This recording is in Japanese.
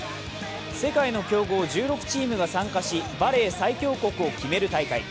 世界の強豪１６チームが参加しバレー最強国を決める大会。